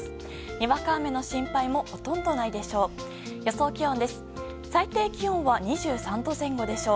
にわか雨の心配もほとんどないでしょう。